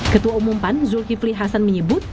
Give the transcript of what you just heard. ketua umum pan zulkifli hasan menyebut